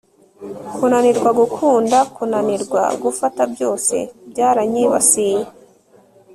kunanirwa gukunda, kunanirwa gufata byose byaranyibasiye